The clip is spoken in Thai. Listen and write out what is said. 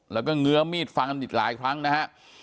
แล้วก็เงื้อมีดฟันกันอีกหลายครั้งนะฮะ